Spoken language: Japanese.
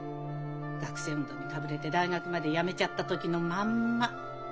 学生運動にかぶれて大学までやめちゃった時のまんま。